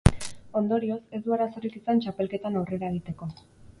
Ondorioz, ez du arazorik izan txapelketan aurrera egiteko.